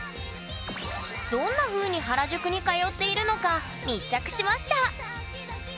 どんなふうに原宿に通っているのか密着しました！